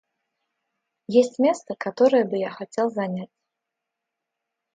Есть место, которое бы я хотел занять.